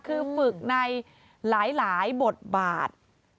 คือฝึกในหลายบทบาท